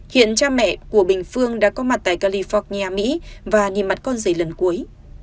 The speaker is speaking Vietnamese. hiện cha mẹ của bình phương đã có mặt tại california mỹ và nhìn mặt con giấy lần cuối